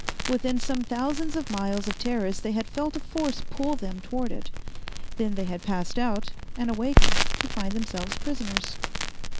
Within some thousands of miles of Teris they had felt a force pull them toward it. Then they had passed out and awakened to find themselves prisoners.